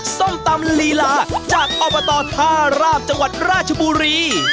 ส้มตำลีลาจากอบตท่าราบจังหวัดราชบุรี